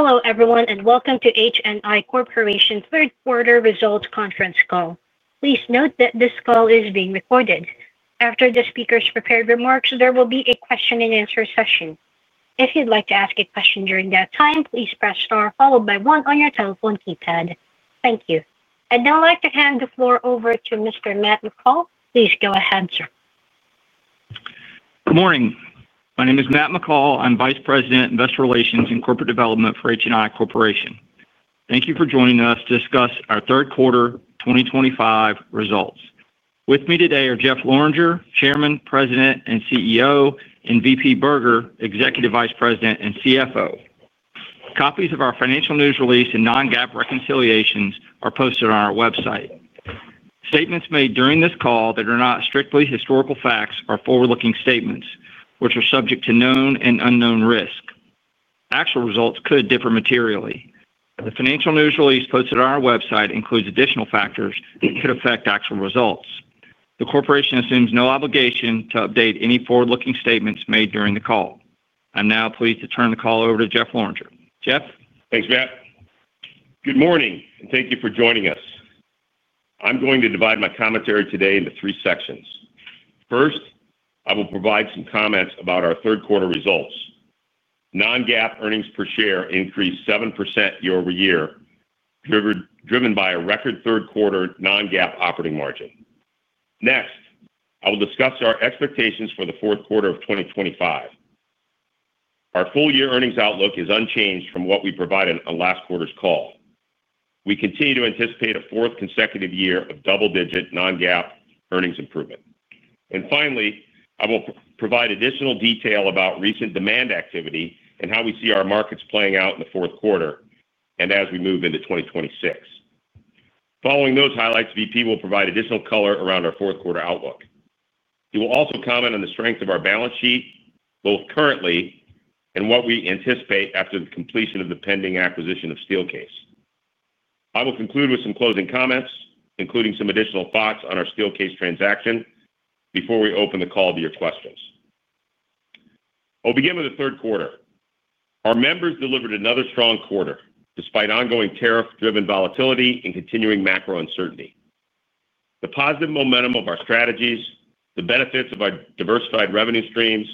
Hello everyone and welcome to HNI Corporation's third quarter results conference call. Please note that this call is being recorded. After the speakers prepare remarks, there will be a question and answer session. If you'd like to ask a question during that time, please press star followed by one on your telephone keypad. Thank you. I'd now like to hand the floor over to Mr. Matt McCall. Please go ahead, sir. Good morning. My name is Matt McCall. I'm Vice President, Investor Relations and Corporate Development for HNI Corporation. Thank you for joining us to discuss our third quarter 2025 results. With me today are Jeff Lorenger, Chairman, President and CEO, and VP Berger, Executive Vice President and CFO. Copies of our financial news release and non-GAAP reconciliations are posted on our website. Statements made during this call that are not strictly historical facts are forward-looking statements, which are subject to known and unknown risk. Actual results could differ materially. The financial news release posted on our website includes additional factors that could affect actual results. The Corporation assumes no obligation to update any forward-looking statements made during the call. I'm now pleased to turn the call over to Jeff Lorenger. Jeff? Thanks, Matt. Good morning and thank you for joining us. I'm going to divide my commentary today into three sections. First, I will provide some comments about our third quarter results. Non-GAAP earnings per share increased 7% year-over-year, driven by a record third quarter non-GAAP operating margin. Next, I will discuss our expectations for the fourth quarter of 2025. Our full-year earnings outlook is unchanged from what we provided on last quarter's call. We continue to anticipate a fourth consecutive year of double-digit non-GAAP earnings improvement. Finally, I will provide additional detail about recent demand activity and how we see our markets playing out in the fourth quarter and as we move into 2026. Following those highlights, V.P. will provide additional color around our fourth quarter outlook. He will also comment on the strength of our balance sheet, both currently and what we anticipate after the completion of the pending acquisition of Steelcase. I will conclude with some closing comments, including some additional thoughts on our Steelcase transaction, before we open the call to your questions. I'll begin with the third quarter. Our members delivered another strong quarter despite ongoing tariff-driven volatility and continuing macro uncertainty. The positive momentum of our strategies, the benefits of our diversified revenue streams,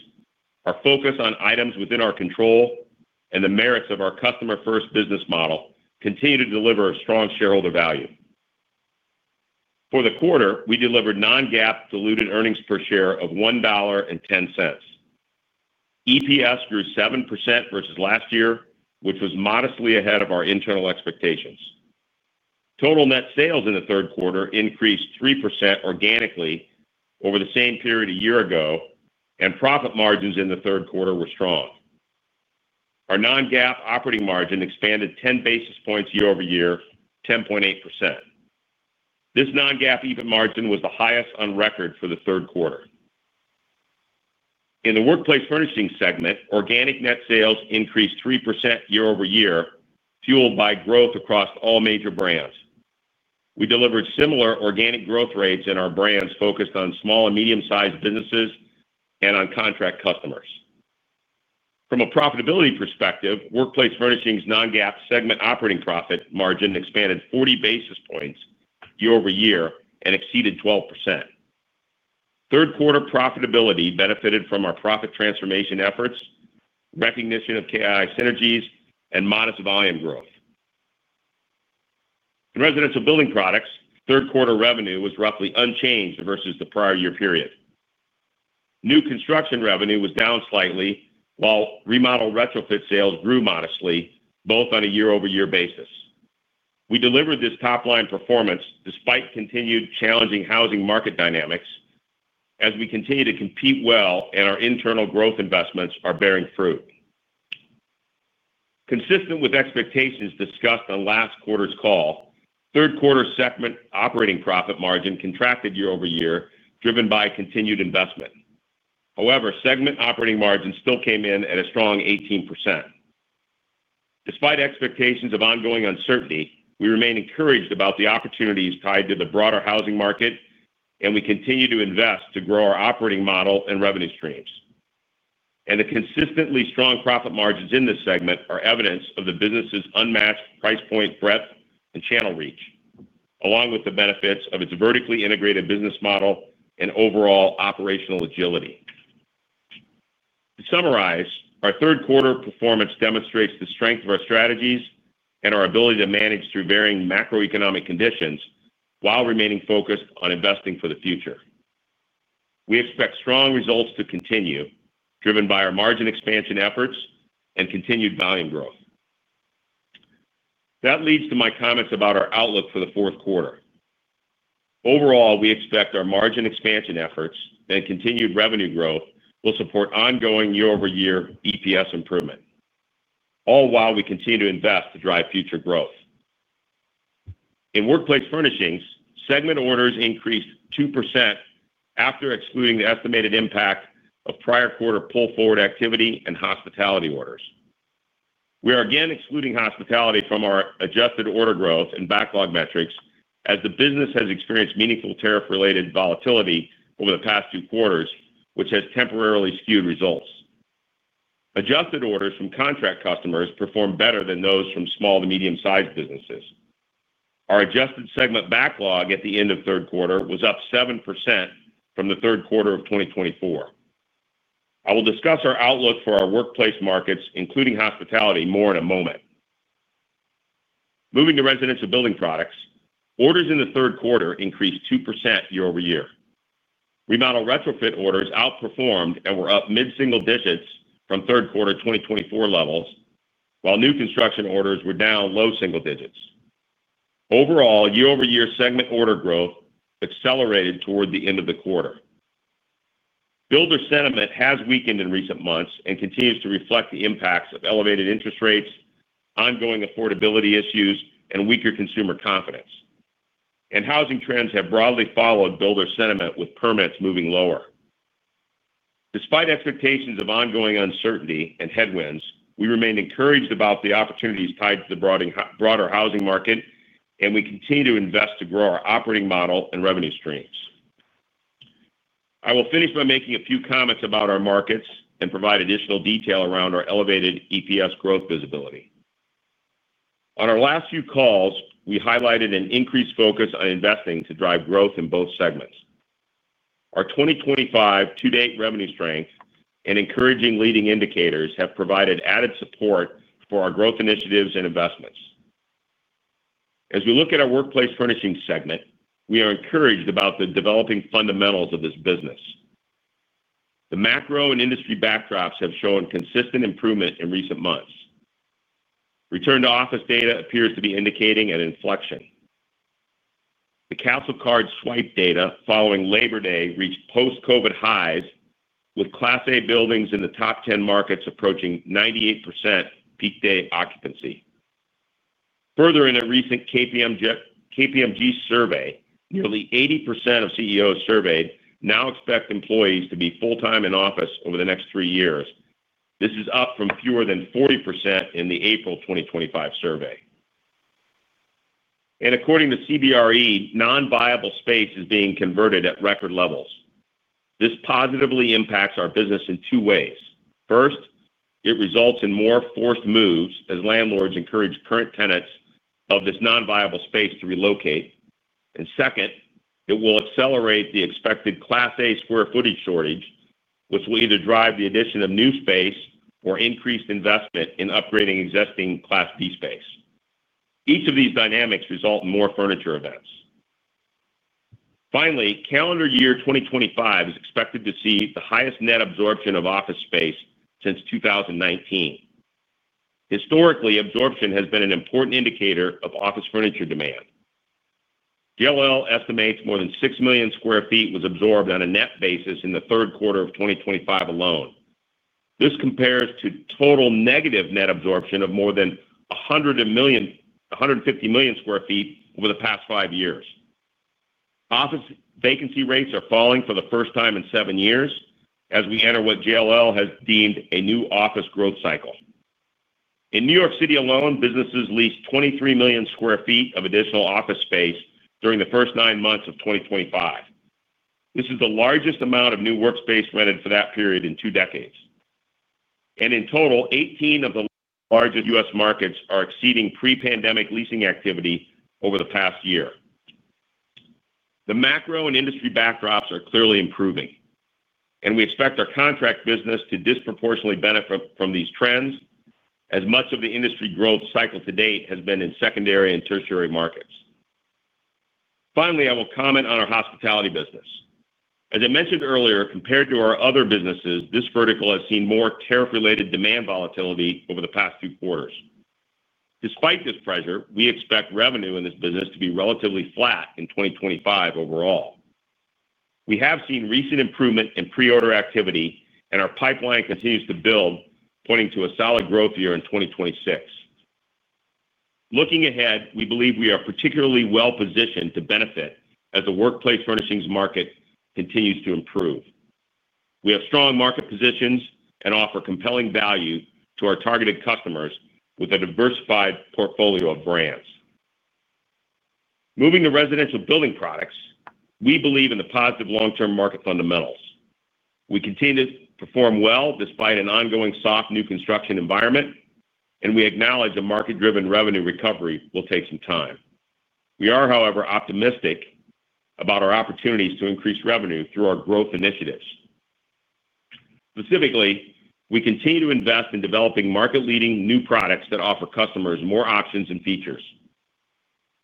our focus on items within our control, and the merits of our customer-first business model continue to deliver strong shareholder value. For the quarter, we delivered non-GAAP diluted earnings per share of $1.10. EPS grew 7% versus last year, which was modestly ahead of our internal expectations. Total net sales in the third quarter increased 3% organically over the same period a year ago, and profit margins in the third quarter were strong. Our non-GAAP operating margin expanded 10 basis points year over year, 10.8%. This non-GAAP EBIT margin was the highest on record for the third quarter. In the workplace furnishings segment, organic net sales increased 3% year-over-year, fueled by growth across all major brands. We delivered similar organic growth rates in our brands focused on small and medium-sized businesses and on contract customers. From a profitability perspective, workplace furnishings non-GAAP segment operating profit margin expanded 40 basis points year-over-year and exceeded 12%. Third quarter profitability benefited from our profit transformation efforts, recognition of KI synergies, and modest volume growth. In residential building products, third quarter revenue was roughly unchanged versus the prior year period. New construction revenue was down slightly, while remodel retrofit sales grew modestly, both on a year-over-year basis. We delivered this top-line performance despite continued challenging housing market dynamics, as we continue to compete well and our internal growth investments are bearing fruit. Consistent with expectations discussed on last quarter's call, third quarter segment operating profit margin contracted year over year, driven by continued investment. However, segment operating margin still came in at a strong 18%. Despite expectations of ongoing uncertainty, we remain encouraged about the opportunities tied to the broader housing market, and we continue to invest to grow our operating model and revenue streams. The consistently strong profit margins in this segment are evidence of the business's unmatched price point breadth and channel reach, along with the benefits of its vertically integrated business model and overall operational agility. To summarize, our third quarter performance demonstrates the strength of our strategies and our ability to manage through varying macroeconomic conditions while remaining focused on investing for the future. We expect strong results to continue, driven by our margin expansion efforts and continued volume growth. That leads to my comments about our outlook for the fourth quarter. Overall, we expect our margin expansion efforts and continued revenue growth will support ongoing year-over-year EPS improvement, all while we continue to invest to drive future growth. In workplace furnishings, segment orders increased 2% after excluding the estimated impact of prior quarter pull-forward activity and hospitality orders. We are again excluding hospitality from our adjusted order growth and backlog metrics, as the business has experienced meaningful tariff-related volatility over the past two quarters, which has temporarily skewed results. Adjusted orders from contract customers perform better than those from small to medium-sized businesses. Our adjusted segment backlog at the end of third quarter was up 7% from the third quarter of 2024. I will discuss our outlook for our workplace markets, including hospitality, more in a moment. Moving to residential building products, orders in the third quarter increased 2% year-over-year. Remodel retrofit orders outperformed and were up mid-single digits from third quarter 2024 levels, while new construction orders were down low single digits. Overall, year-over-year segment order growth accelerated toward the end of the quarter. Builder sentiment has weakened in recent months and continues to reflect the impacts of elevated interest rates, ongoing affordability issues, and weaker consumer confidence. Housing trends have broadly followed builder sentiment with permits moving lower. Despite expectations of ongoing uncertainty and headwinds, we remain encouraged about the opportunities tied to the broader housing market, and we continue to invest to grow our operating model and revenue streams. I will finish by making a few comments about our markets and provide additional detail around our elevated EPS growth visibility. On our last few calls, we highlighted an increased focus on investing to drive growth in both segments. Our 2025 to-date revenue strength and encouraging leading indicators have provided added support for our growth initiatives and investments. As we look at our workplace furnishings segment, we are encouraged about the developing fundamentals of this business. The macro and industry backdrops have shown consistent improvement in recent months. Return-to-office data appears to be indicating an inflection. The Castle Card Swipe data following Labor Day reached post-COVID highs, with Class A buildings in the top 10 markets approaching 98% peak-day occupancy. Further, in a recent KPMG survey, nearly 80% of CEOs surveyed now expect employees to be full-time in office over the next three years. This is up from fewer than 40% in the April 2025 survey. According to CBRE, non-viable space is being converted at record levels. This positively impacts our business in two ways. First, it results in more forced moves as landlords encourage current tenants of this non-viable space to relocate. Second, it will accelerate the expected Class A square footage shortage, which will either drive the addition of new space or increased investment in upgrading existing Class B space. Each of these dynamics results in more furniture events. Finally, calendar year 2025 is expected to see the highest net absorption of office space since 2019. Historically, absorption has been an important indicator of office furniture demand. JLL estimates more than 6 million sq ft was absorbed on a net basis in the third quarter of 2025 alone. This compares to total negative net absorption of more than 150 million sq ft over the past five years. Office vacancy rates are falling for the first time in seven years as we enter what JLL has deemed a new office growth cycle. In New York City alone, businesses leased 23 million sq ft of additional office space during the first nine months of 2025. This is the largest amount of new workspace rented for that period in two decades. In total, 18 of the largest U.S. markets are exceeding pre-pandemic leasing activity over the past year. The macro and industry backdrops are clearly improving, and we expect our contract business to disproportionately benefit from these trends, as much of the industry growth cycle to date has been in secondary and tertiary markets. Finally, I will comment on our hospitality business. As I mentioned earlier, compared to our other businesses, this vertical has seen more tariff-related demand volatility over the past two quarters. Despite this pressure, we expect revenue in this business to be relatively flat in 2025 overall. We have seen recent improvement in pre-order activity, and our pipeline continues to build, pointing to a solid growth year in 2026. Looking ahead, we believe we are particularly well positioned to benefit as the workplace furnishings market continues to improve. We have strong market positions and offer compelling value to our targeted customers with a diversified portfolio of brands. Moving to residential building products, we believe in the positive long-term market fundamentals. We continue to perform well despite an ongoing soft new construction environment, and we acknowledge a market-driven revenue recovery will take some time. We are, however, optimistic about our opportunities to increase revenue through our growth initiatives. Specifically, we continue to invest in developing market-leading new products that offer customers more options and features.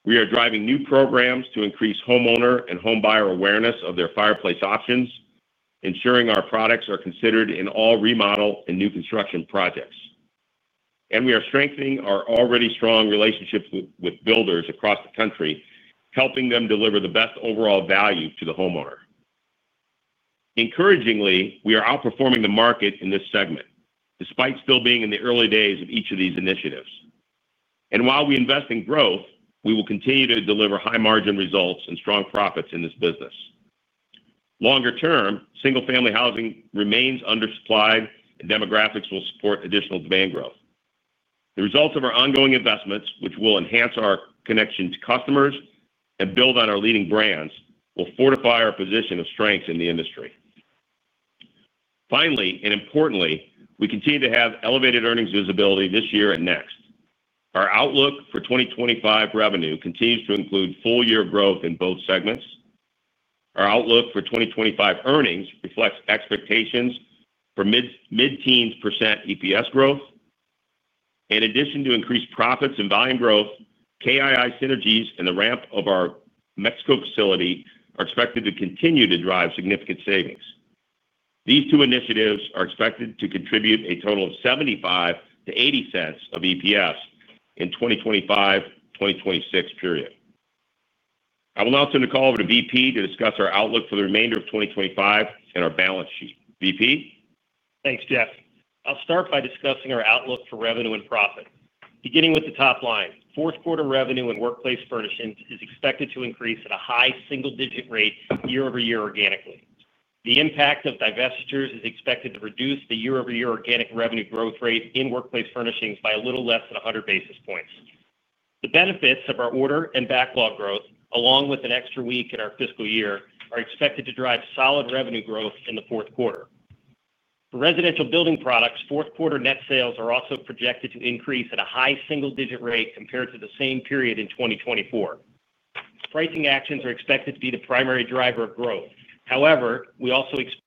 We are driving new programs to increase homeowner and home buyer awareness of their fireplace options, ensuring our products are considered in all remodel and new construction projects. We are strengthening our already strong relationships with builders across the country, helping them deliver the best overall value to the homeowner. Encouragingly, we are outperforming the market in this segment, despite still being in the early days of each of these initiatives. While we invest in growth, we will continue to deliver high margin results and strong profits in this business. Longer term, single-family housing remains undersupplied, and demographics will support additional demand growth. The results of our ongoing investments, which will enhance our connection to customers and build on our leading brands, will fortify our position of strength in the industry. Finally, and importantly, we continue to have elevated earnings visibility this year and next. Our outlook for 2025 revenue continues to include full-year growth in both segments. Our outlook for 2025 earnings reflects expectations for mid-teens % EPS growth. In addition to increased profits and volume growth, KI synergies and the ramp of our Mexico facility are expected to continue to drive significant savings. These two initiatives are expected to contribute a total of $0.75-$0.80 of EPS in the 2025-2026 period. I will now turn the call over to VP to discuss our outlook for the remainder of 2025 and our balance sheet. VP? Thanks, Jeff. I'll start by discussing our outlook for revenue and profit. Beginning with the top line, fourth quarter revenue in workplace furnishings is expected to increase at a high single-digit rate year-over-year organically. The impact of divestitures is expected to reduce the year-over-year organic revenue growth rate in workplace furnishings by a little less than 100 basis points. The benefits of our order and backlog growth, along with an extra week in our fiscal year, are expected to drive solid revenue growth in the fourth quarter. For residential building products, fourth quarter net sales are also projected to increase at a high single-digit rate compared to the same period in 2024. Pricing actions are expected to be the primary driver of growth. However, we also expect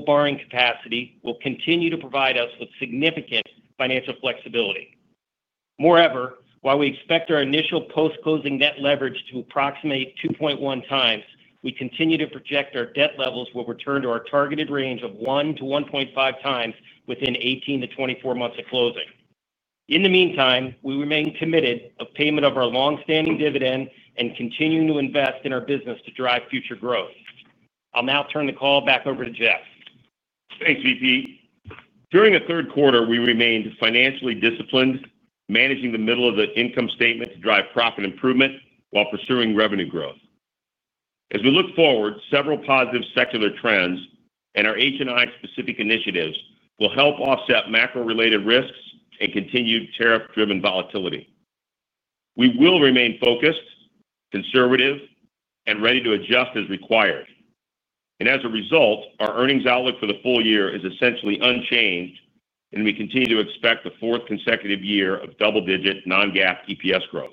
that our borrowing capacity will continue to provide us with significant financial flexibility. Moreover, while we expect our initial post-closing net leverage to approximate 2.1x, we continue to project our debt levels will return to our targeted range of 1x-1.5x within 18-24 months of closing. In the meantime, we remain committed to payment of our longstanding dividend and continue to invest in our business to drive future growth. I'll now turn the call back over to Jeff. Thanks, VP. During the third quarter, we remained financially disciplined, managing the middle of the income statement to drive profit improvement while pursuing revenue growth. As we look forward, several positive secular trends and our HNI-specific initiatives will help offset macro-related risks and continued tariff-driven volatility. We will remain focused, conservative, and ready to adjust as required. As a result, our earnings outlook for the full year is essentially unchanged, and we continue to expect the fourth consecutive year of double-digit non-GAAP EPS growth.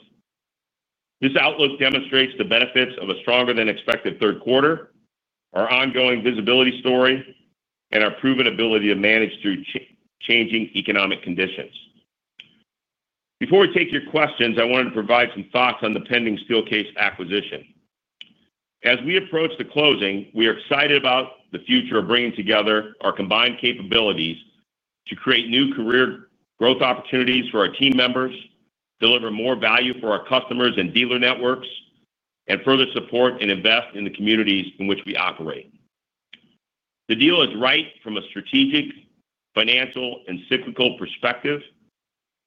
This outlook demonstrates the benefits of a stronger than expected third quarter, our ongoing visibility story, and our proven ability to manage through changing economic conditions. Before we take your questions, I wanted to provide some thoughts on the pending Steelcase acquisition. As we approach the closing, we are excited about the future of bringing together our combined capabilities to create new career growth opportunities for our team members, deliver more value for our customers and dealer networks, and further support and invest in the communities in which we operate. The deal is right from a strategic, financial, and cyclical perspective,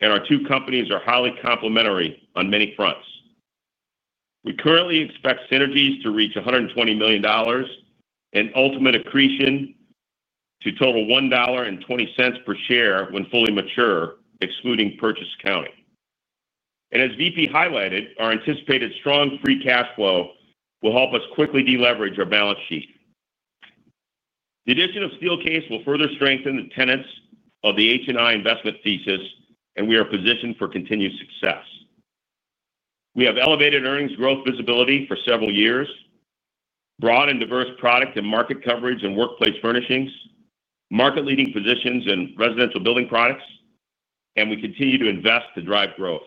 and our two companies are highly complementary on many fronts. We currently expect synergies to reach $120 million and ultimate accretion to total $1.20 per share when fully mature, excluding purchase accounting. As VP highlighted, our anticipated strong free cash flow will help us quickly deleverage our balance sheet. The addition of Steelcase will further strengthen the tenets of the HNI investment thesis, and we are positioned for continued success. We have elevated earnings growth visibility for several years, broad and diverse product and market coverage in workplace furnishings, market-leading positions in residential building products, and we continue to invest to drive growth.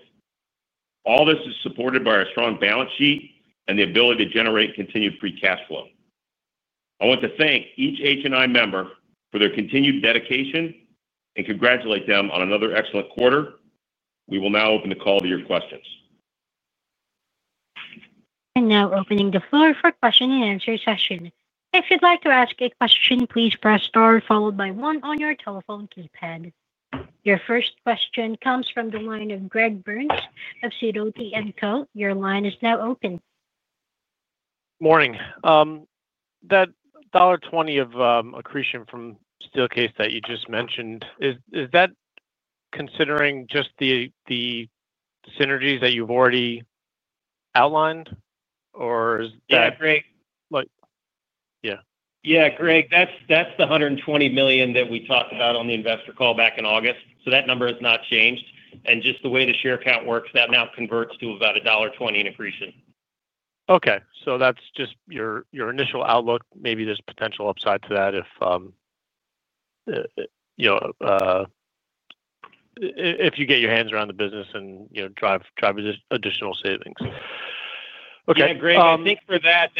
All this is supported by our strong balance sheet and the ability to generate continued free cash flow. I want to thank each HNI member for their continued dedication and congratulate them on another excellent quarter. We will now open the call to your questions. are now opening the floor for the question and answer session. If you'd like to ask a question, please press star followed by one on your telephone keypad. Your first question comes from the line of Greg Burns of Sidoti & Co. Your line is now open. Morning. That $1.20 of accretion from Steelcase that you just mentioned, is that considering just the synergies that you've already outlined, or is that? Yeah, Greg, that's the $120 million that we talked about on the investor call back in August. That number has not changed. Just the way the share count works, that now converts to about $1.20 in accretion. Okay. That's just your initial outlook. Maybe there's potential upside to that if you get your hands around the business and you know drive additional savings. Yeah, Greg, I think for that,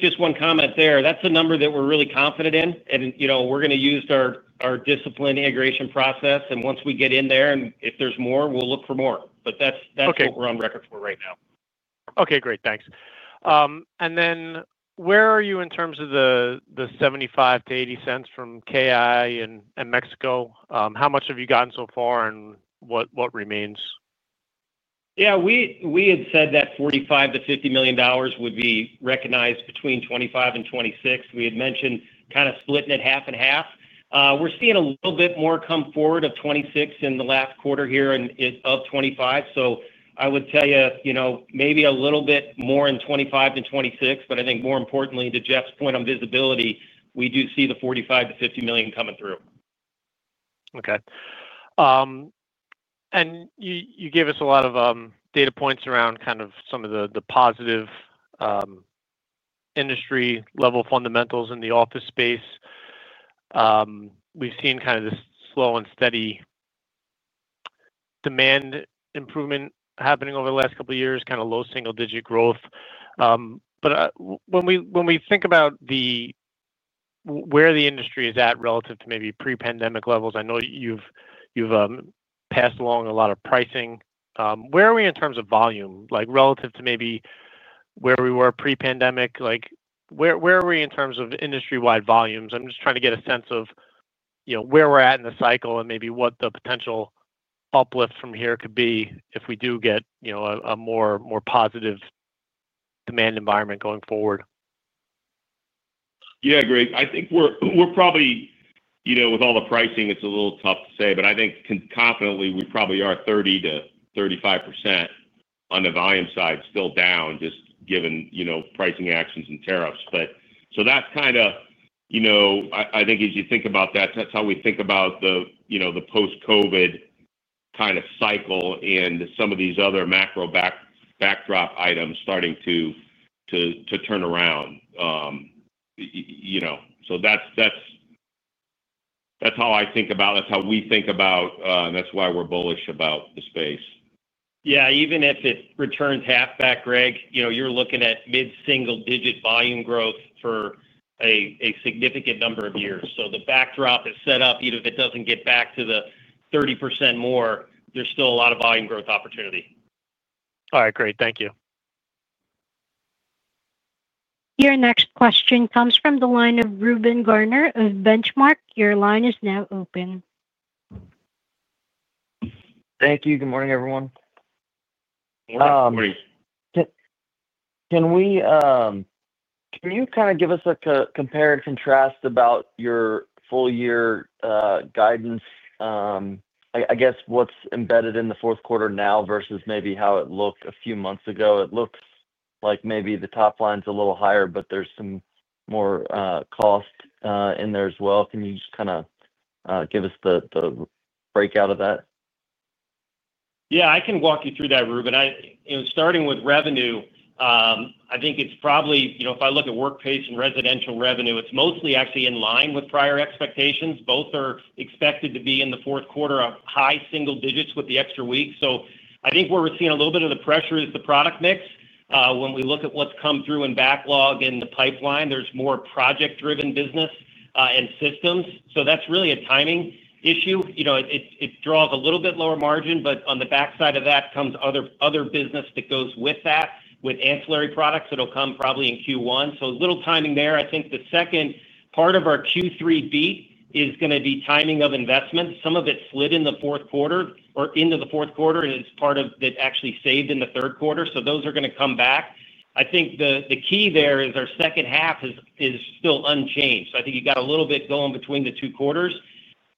just one comment there. That's a number that we're really confident in. You know we're going to use our discipline integration process. Once we get in there, if there's more, we'll look for more. That's what we're on record for right now. Okay, great. Thanks. Where are you in terms of the $0.75-$0.80 from KI and Mexico? How much have you gotten so far and what remains? Yeah, we had said that $45 million-$50 million would be recognized between 2025 and 2026. We had mentioned kind of splitting it half and half. We're seeing a little bit more come forward of 2026 in the last quarter here and of 2025. I would tell you, maybe a little bit more in 2025 than 2026, but I think more importantly, to Jeff's point on visibility, we do see the $45 million-$50 million coming through. Okay. You gave us a lot of data points around some of the positive industry-level fundamentals in the office space. We've seen this slow and steady demand improvement happening over the last couple of years, kind of low single-digit growth. When we think about where the industry is at relative to maybe pre-pandemic levels, I know you've passed along a lot of pricing. Where are we in terms of volume, like relative to maybe where we were pre-pandemic? Where are we in terms of industry-wide volumes? I'm just trying to get a sense of where we're at in the cycle and maybe what the potential uplift from here could be if we do get a more positive demand environment going forward. Yeah, Greg, I think we're probably, you know, with all the pricing, it's a little tough to say, but I think confidently we probably are 30%-35% on the volume side still down, just given, you know, pricing actions and tariffs. That's kind of, you know, I think as you think about that, that's how we think about the, you know, the post-COVID kind of cycle and some of these other macro backdrop items starting to turn around. You know, that's how I think about, that's how we think about, and that's why we're bullish about the space. Yeah, even if it returns half back, Greg, you're looking at mid-single-digit volume growth for a significant number of years. The backdrop is set up, even if it doesn't get back to the 30% more, there's still a lot of volume growth opportunity. All right, great. Thank you. Your next question comes from the line of Reuben Garner of Benchmark. Your line is now open. Thank you. Good morning, everyone. Can you kind of give us a compare and contrast about your full-year guidance? I guess what's embedded in the fourth quarter now versus maybe how it looked a few months ago? It looks like maybe the top line's a little higher, but there's some more cost in there as well. Can you just kind of give us the breakout of that? Yeah, I can walk you through that, Reuben. Starting with revenue, I think it's probably, you know, if I look at workplace and residential revenue, it's mostly actually in line with prior expectations. Both are expected to be in the fourth quarter of high single digits with the extra weeks. I think where we're seeing a little bit of the pressure is the product mix. When we look at what's come through in backlog and the pipeline, there's more project-driven business and systems. That's really a timing issue. It draws a little bit lower margin, but on the backside of that comes other business that goes with that, with ancillary products that will come probably in Q1. A little timing there. I think the second part of our Q3 beat is going to be timing of investments. Some of it slid into the fourth quarter, and part of that actually saved in the third quarter. Those are going to come back. The key there is our second half is still unchanged. I think you got a little bit going between the two quarters.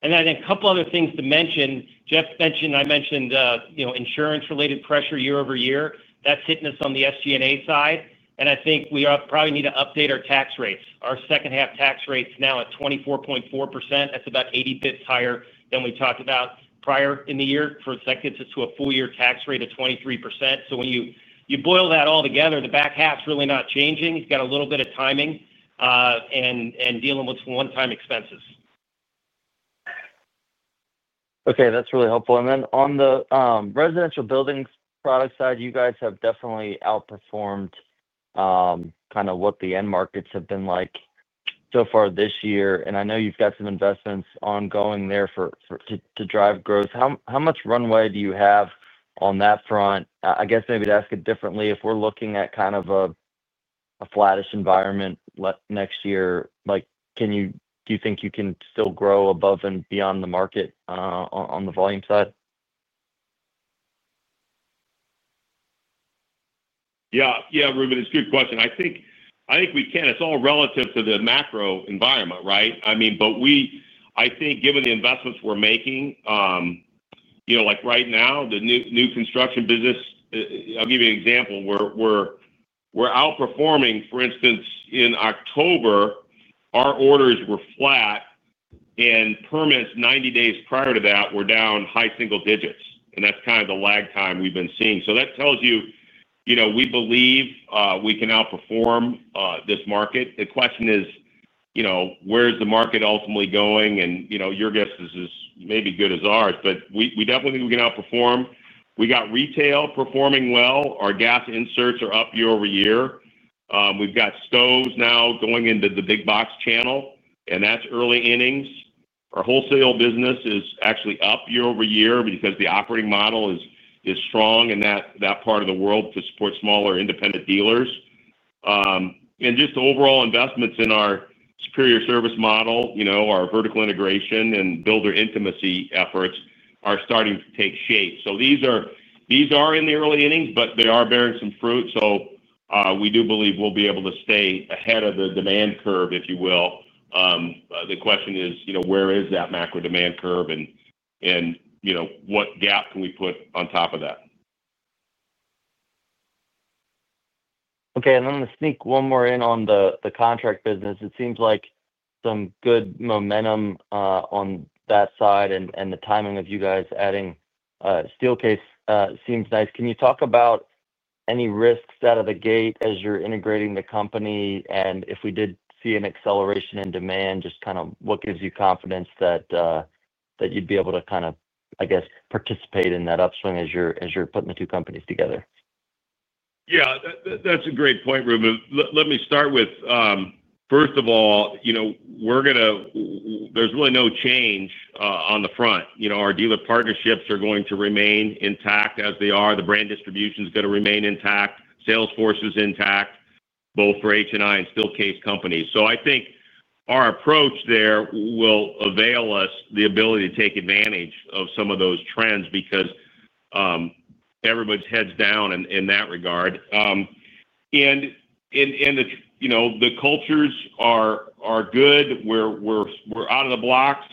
A couple other things to mention. Jeff mentioned, I mentioned, insurance-related pressure year-over-year. That's hitting us on the SG&A side. I think we probably need to update our tax rates. Our second half tax rate is now at 24.4%. That's about 80 basis points higher than we talked about prior in the year. For a second, it's to a full-year tax rate of 23%. When you boil that all together, the back half's really not changing. It's got a little bit of timing, and dealing with some one-time expenses. Okay, that's really helpful. On the residential building products side, you guys have definitely outperformed kind of what the end markets have been like so far this year. I know you've got some investments ongoing there to drive growth. How much runway do you have on that front? I guess maybe to ask it differently, if we're looking at kind of a flattish environment next year, do you think you can still grow above and beyond the market on the volume side? Yeah, Reuben, it's a good question. I think we can. It's all relative to the macro environment, right? I mean, given the investments we're making, like right now, the new construction business, I'll give you an example. We're outperforming, for instance, in October, our orders were flat, and permits 90 days prior to that were down high single digits. That's kind of the lag time we've been seeing. That tells you we believe we can outperform this market. The question is, where's the market ultimately going? Your guess is as good as ours, but we definitely think we can outperform. We got retail performing well. Our gas inserts are up year over year. We've got stoves now going into the big box channel, and that's early innings. Our wholesale business is actually up year over year because the operating model is strong in that part of the world to support smaller independent dealers. Overall investments in our superior service model, our vertical integration, and builder intimacy efforts are starting to take shape. These are in the early innings, but they are bearing some fruit. We do believe we'll be able to stay ahead of the demand curve, if you will. The question is, where is that macro demand curve, and what gap can we put on top of that? Okay, I'm going to sneak one more in on the contract business. It seems like some good momentum on that side and the timing of you guys adding Steelcase seems nice. Can you talk about any risks out of the gate as you're integrating the company? If we did see an acceleration in demand, just kind of what gives you confidence that you'd be able to, I guess, participate in that upswing as you're putting the two companies together? Yeah, that's a great point, Reuben. Let me start with, first of all, you know, we're going to, there's really no change on the front. You know, our dealer partnerships are going to remain intact as they are. The brand distribution is going to remain intact. Salesforce is intact, both for HNI and Steelcase companies. I think our approach there will avail us the ability to take advantage of some of those trends because everybody's heads down in that regard. The cultures are good. We're out of the blocks,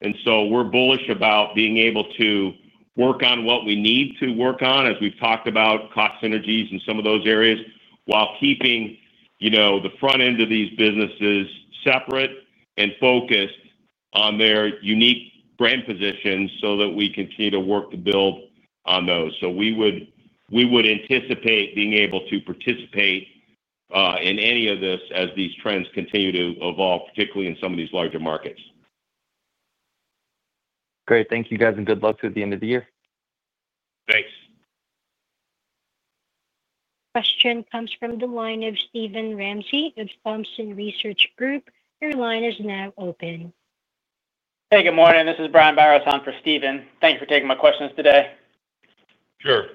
and we're bullish about being able to work on what we need to work on, as we've talked about, cost synergies in some of those areas while keeping the front end of these businesses separate and focused on their unique brand positions so that we continue to work to build on those. We would anticipate being able to participate in any of this as these trends continue to evolve, particularly in some of these larger markets. Great. Thank you guys, and good luck through the end of the year. Thanks. Question comes from the line of Steven Ramsey of Thompson Research Group. Your line is now open. Hey, good morning. This is Brian Biros on for Stephen. Thank you for taking my questions today. Sure.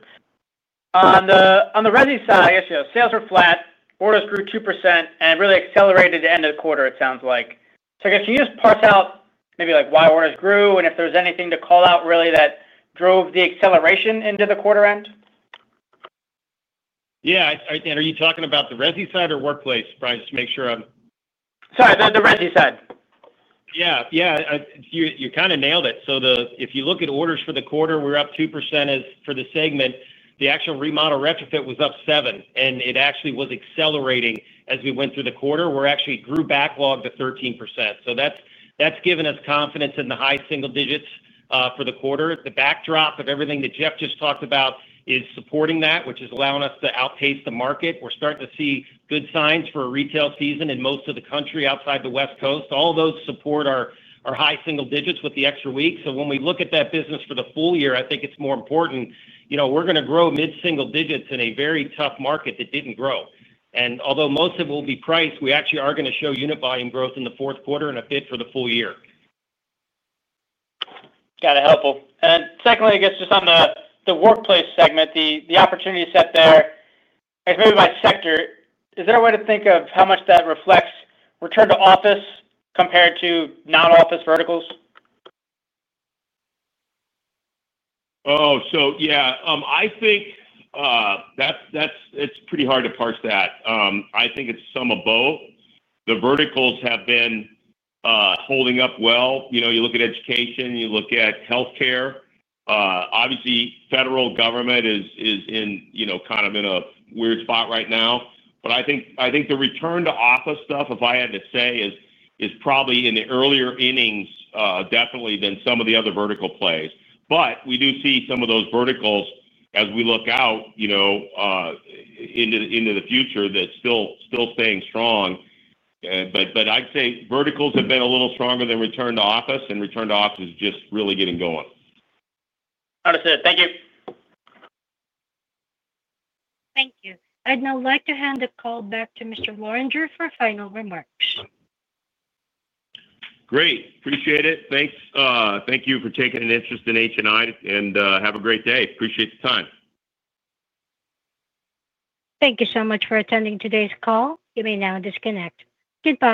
On the revenue side, I guess, you know, sales were flat, orders grew 2%, and really accelerated to end of the quarter, it sounds like. I guess can you just parse out maybe like why orders grew and if there was anything to call out really that drove the acceleration into the quarter end? Are you talking about the residential side or workplace, Brian, just to make sure I'm clear? Sorry, the residue side. Yeah. You kind of nailed it. If you look at orders for the quarter, we're up 2% as for the segment. The actual remodel retrofit was up 7%, and it actually was accelerating as we went through the quarter, where it actually grew backlog to 13%. That's given us confidence in the high single digits for the quarter. The backdrop of everything that Jeff just talked about is supporting that, which is allowing us to outpace the market. We're starting to see good signs for a retail season in most of the country outside the West Coast. All of those support our high single digits with the extra weeks. When we look at that business for the full year, I think it's more important. You know, we're going to grow mid-single digits in a very tough market that didn't grow. Although most of it will be priced, we actually are going to show unit volume growth in the fourth quarter and a bit for the full year. Got it. Helpful. Secondly, just on the workplace segment, the opportunity set there, I guess maybe by sector, is there a way to think of how much that reflects return-to-office trends compared to non-office verticals? Yeah, I think it's pretty hard to parse that. I think it's some of both. The verticals have been holding up well. You know, you look at education, you look at healthcare. Obviously, federal government is in kind of a weird spot right now. I think the return-to-office stuff, if I had to say, is probably in the earlier innings, definitely than some of the other vertical plays. We do see some of those verticals as we look out into the future still staying strong. I'd say verticals have been a little stronger than return-to-office, and return-to-office is just really getting going. Understood. Thank you. Thank you. I'd now like to hand the call back to Mr. Lorenger for final remarks. Great. Appreciate it. Thanks. Thank you for taking an interest in HNI and have a great day. Appreciate the time. Thank you so much for attending today's call. You may now disconnect. Goodbye.